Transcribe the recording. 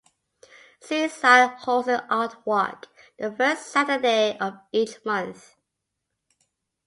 Seaside holds an art walk the first Saturday of each month.